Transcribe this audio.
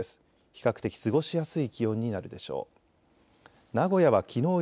比較的過ごしやすい気温になるでしょう。